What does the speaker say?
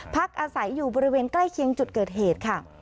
พักอาศัยอยู่บริเวณใกล้เคียงจุดเกิดเหตุค่ะ